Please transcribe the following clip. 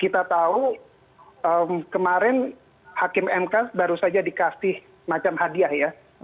kita tahu kemarin hakim mk baru saja dikasih macam hadiah ya